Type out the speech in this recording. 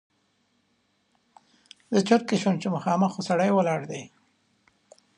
زه چرت کې شوم چې مخامخ خو سړی ولاړ دی!